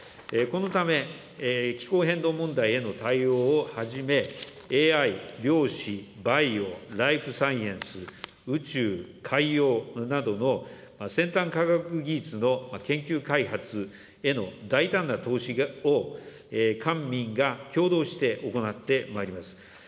このため、気候変動問題への対応をはじめ、ＡＩ、量子、バイオ、ライフサイエンス、宇宙、海洋などの先端科学技術の研究開発への大胆な投資を、官民が協働して行ってまいります。